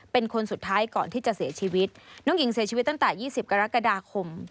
เป็นคนสุดท้ายก่อนที่จะเสียชีวิตน้องหญิงเสียชีวิตตั้งแต่๒๐กรกฎาคม